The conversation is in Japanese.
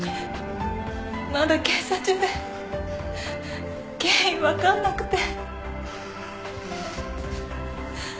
まだ検査中で原因分かんなくて。